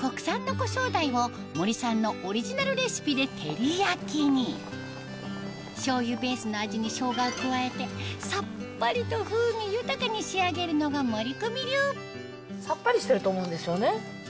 国産のコショウダイを森さんのオリジナルレシピで照り焼きにしょうゆベースの味にショウガを加えてさっぱりと風味豊かに仕上げるのが森クミ流さっぱりしてると思うんですよね。